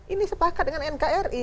ini sepakat dengan nkri